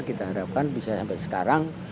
kita harapkan bisa sampai sekarang